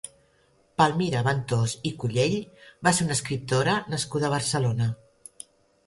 Palmira Ventós i Cullell va ser una escriptora nascuda a Barcelona.